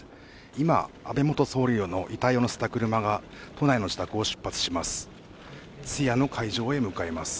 今、安倍元総理の遺体をのせた車が都内の自宅を出発します。